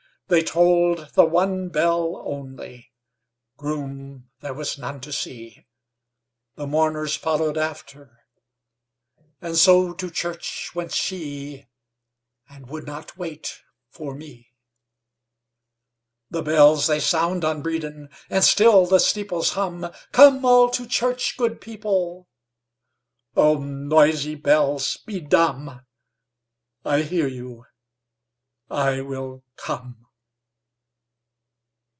They tolled the one bell only, Groom there was none to see, The mourners followed after, And so to church went she, And would not wait for me. The bells they sound on Bredon, And still the steeples hum.'Come all to church, good people,'—Oh, noisy bells, be dumb;I hear you, I will come.